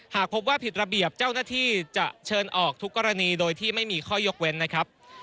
หากพบว่าผิดระเบียบเจ้าหน้าที่จะเชิญออกทุกกรณีโดยที่ไม่มีข้อยกเว้นนะครับ